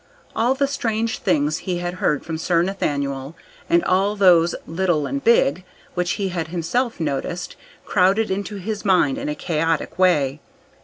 All the strange things he had heard from Sir Nathaniel, and all those, little and big, which he had himself noticed, crowded into his mind in a chaotic way.